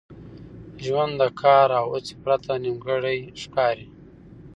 ژوند د کار او هڅي پرته نیمګړی ښکاري.